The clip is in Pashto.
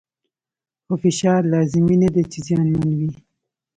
خو فشار لازمي نه دی چې زیانمن وي.